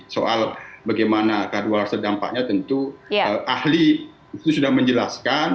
soal bagaimana keadaan luar saha dampaknya tentu ahli itu sudah menjelaskan